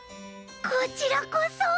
こちらこそ！